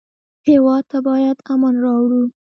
هېواد ته باید امن راوړو